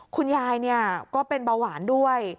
คุณยายก็เป็นเบาหวานด้วย